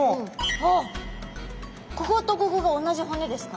あっこことここが同じ骨ですか？